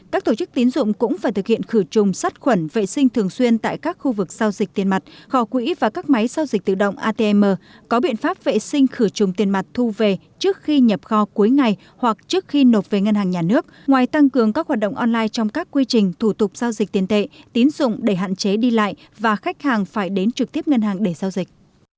các tổ chức tiến dụng cũng phải thực hiện khử trùng sắt khuẩn vệ sinh thường xuyên tại các khu vực giao dịch tiền mặt kho quỹ và các máy giao dịch tự động atm có biện pháp vệ sinh khử trùng tiền mặt thu về trước khi nhập kho cuối ngày hoặc trước khi nộp về ngân hàng nhà nước ngoài tăng cường các hoạt động online trong các quy trình thủ tục giao dịch tiền tệ tiến dụng để hạn chế đi lại và khách hàng phải đến trực tiếp ngân hàng để giao dịch